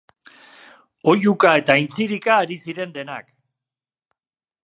Oihuka eta intzirika ari ziren denak.